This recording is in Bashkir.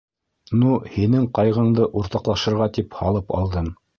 Ну һинең ҡайғыңды уртаҡташырға тип һалып алдым.